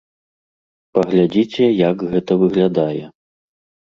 Паглядзіце як гэта выглядае.